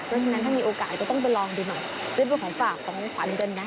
เพราะฉะนั้นถ้ามีโอกาสก็ต้องไปลองดูหน่อยซื้อเป็นของฝากของขวัญกันนะ